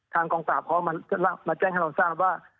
กองปราบเขามาแจ้งให้เราทราบว่า